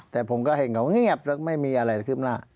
แต่ผมก็เห็นเขาเงียบแล้วไม่มีอะไรคืบหน้า